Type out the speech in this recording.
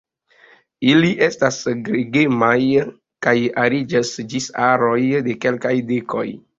Ili estas gregemaj kaj ariĝas ĝis aroj de kelkaj dekoj.